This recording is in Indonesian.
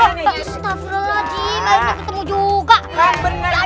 hai hai siap siap nabraknya